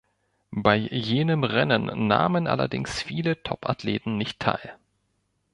Bei jenem Rennen nahmen allerdings viele Top-Athleten nicht teil.